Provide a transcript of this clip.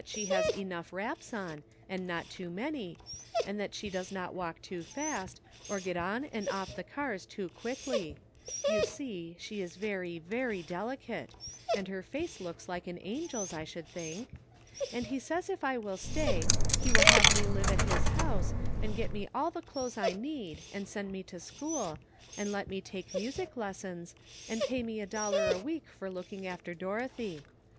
she has enough wraps on, and not too many, and that she does not walk too fast, nor get on and off the cars too quickly ; you see she is very, ver}' delicate, and her face looks like an angel's, I should think. And he says if I will stay, he will have mc live at his house, and get me all the clothes I need, and send me to school, and let me take music lessons, and pay me a dollar a week for looking after Dorothy.